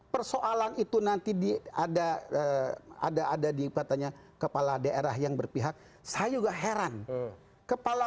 persoalan itu nanti di ada ada ada di katanya kepala daerah yang berpihak saya juga heran kepala